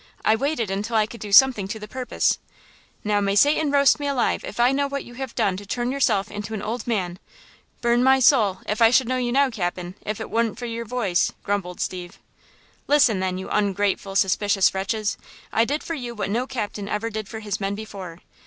I waited until I could do something to the purpose!" "Now, may Satan roast me alive if I know what you have done to turn yourself into an old man! Burn my soul, if I should know you now, captain, if it wa'n't for your voice," grumbled Steve. "Listen, then, you ungrateful, suspicious wretches! I did for you what no captain ever did for his men before!